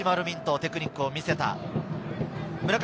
テクニックを見せました。